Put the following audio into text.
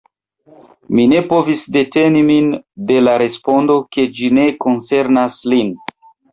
Mi ne povis deteni min de la respondo, ke ĝi ne koncernas lin.